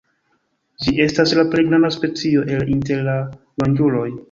Ĝi estas la plej granda specio el inter la ronĝuloj.